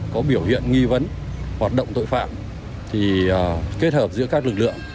có biểu hiện nghi vấn hoạt động tội phạm thì kết hợp giữa các lực lượng